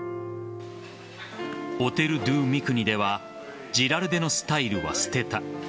オテル・ドゥ・ミクニではジラルデのスタイルは捨てた。